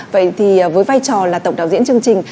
vậy thì với vai trò là tổng đạo diễn chương trình